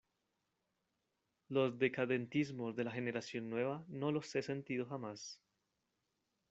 los decadentismos de la generación nueva no los he sentido jamás.